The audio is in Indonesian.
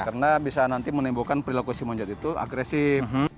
karena bisa nanti menimbulkan perilakuasi monyet itu agresif